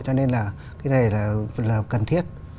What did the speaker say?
cho nên là cái này là cần thiết